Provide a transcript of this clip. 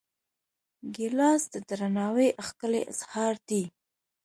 ګیلاس د درناوي ښکلی اظهار دی.